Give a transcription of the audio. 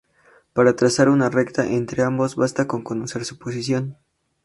Para trazar una recta entre ambos basta con conocer su posición.